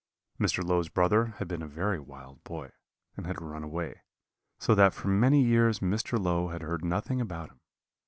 "Mr. Low's brother had been a very wild boy, and had run away; so that for many years Mr. Low had heard nothing about him.